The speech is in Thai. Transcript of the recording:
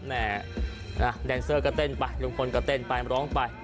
แดนเซอก็เต้นไปรุ่นมใครเต้นไปร้องไป